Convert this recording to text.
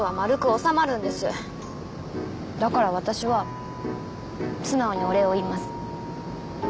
だから私は素直にお礼を言います。